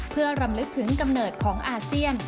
เพื่อรำลึกถึงกำเนิดของอาเซียน